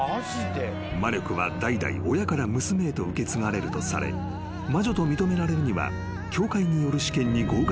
［魔力は代々親から娘へと受け継がれるとされ魔女と認められるには協会による］